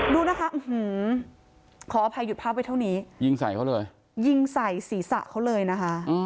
ดูนะคะขออภัยหยุดภาพไว้เท่านี้ยิงใส่เขาเลยยิงใส่ศีรษะเขาเลยนะคะ